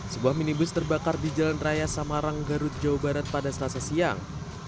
sebuah minibus terbakar di jalan raya samarang garut jawa barat pada selasa siang